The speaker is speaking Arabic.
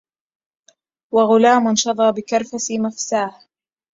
وغلام شظى بكرفس مفساه